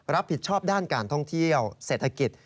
รับผิดชอบด้านการท่องเที่ยวเศรษฐกิจ